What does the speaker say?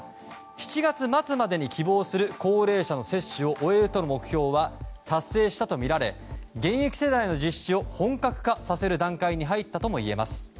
７月末までに、希望する高齢者の接種を終えるとの目標は達成したとみられ現役世代の実施を本格化させる段階に入ったともいえます。